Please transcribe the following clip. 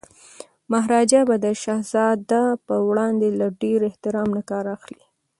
مهاراجا به د شهزاده پر وړاندي له ډیر احترام نه کار اخلي.